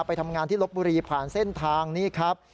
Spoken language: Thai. ไปทำงานที่ลบบุรีผ่านเส้นทางนี้ครับ